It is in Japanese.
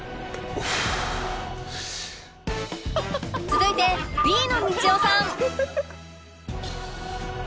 続いて Ｂ のみちおさん